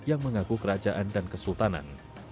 yang mengaku kerajaan dan kesultanan